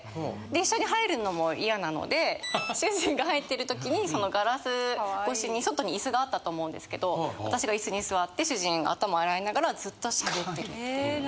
一緒に入るのもイヤなので主人が入ってる時にガラス越しに外に椅子があったと思うんですけど私が椅子に座って主人が頭を洗いながらずっと喋ってるっていう。